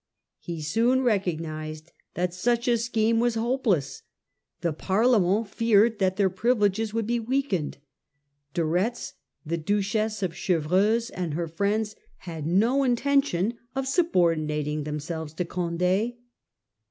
He soon recognised that such a scheme was hopeless. The Parlement feared that their privileges would be weakened; De Retz, the Duchess of Chevreuse, and their friends, had no intention of sub ordinating themselves to Condd.